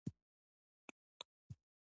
اقلیمي بدلونونو وچکالي زیاته کړې ده.